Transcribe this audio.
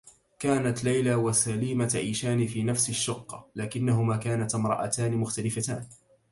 كانت ليلى و سليمة تعيشان في نفس الشّقة، لكنّهما كانتا امرأتان مختلفتان.